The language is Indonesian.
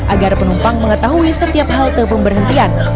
agar penumpang mengetahui setiap hal terpemberhentian